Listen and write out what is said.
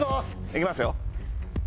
いきますよ。